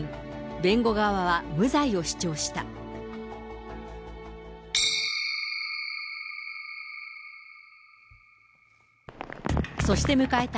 弁護側は無罪を主張した。